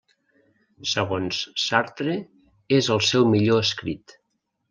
Segons Sartre, és el seu millor escrit.